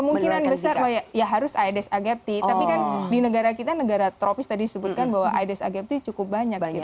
kemungkinan besar ya harus aedes agapti tapi kan di negara kita negara tropis tadi sebutkan bahwa aedes agapti cukup banyak